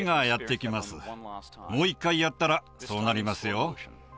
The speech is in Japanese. もう一回やったらそうなりますよ。